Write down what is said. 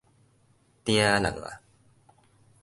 定人矣